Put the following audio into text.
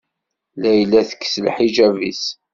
Layla tekkes lḥiǧab-is.